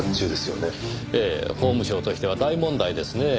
ええ法務省としては大問題ですねぇ。